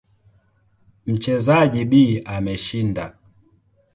Mchezaji B ameshinda.